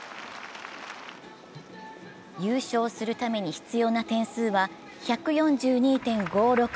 優勝するために必要な点数は１４２．５６。